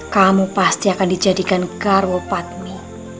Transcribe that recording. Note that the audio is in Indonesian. kamu pasti akan dijadikan karwo padmi